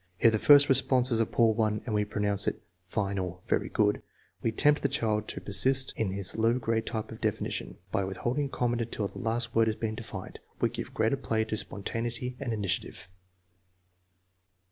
If the first response is a poor one and we pronounce it " fine " or " very good," we tempt the child to persist in his low grade type of defi nition. By withholding comment until the last word has been defined, we give greater play to spontaneity and initiative.